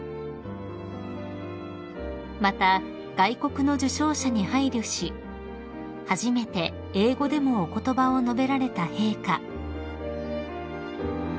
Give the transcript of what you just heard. ［また外国の受章者に配慮し初めて英語でもお言葉を述べられた陛下］